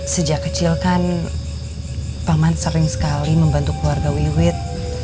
sejak kecil kan paman sering sekali membantu keluarga wiwit